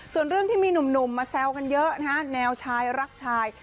ส่วนเรื่องที่มีหนุ่มมาแซวกันเยอะนะฮะแนวชายรักชาย